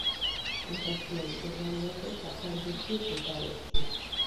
იღებდნენ გერმანიაში, საფრანგეთში, ბულგარეთში.